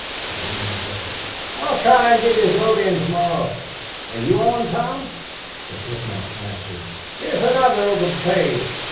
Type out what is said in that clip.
The groom whistled. "I'll try an' get his loadin' to morrow. Are you on, Tom?" The footman answered: "Here's another over the page.